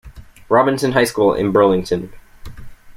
Robinson High School in Burlington.